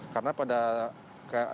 karena pada rov nya